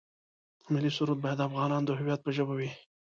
ملي سرود باید د افغانانو د هویت په ژبه وي.